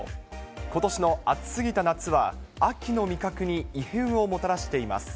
ことしの暑すぎた夏は、秋の味覚に異変をもたらしています。